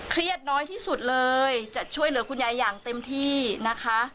น้อยที่สุดเลยจะช่วยเหลือคุณยายอย่างเต็มที่นะคะ